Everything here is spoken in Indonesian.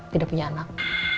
tidak punya anak